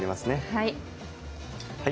はい。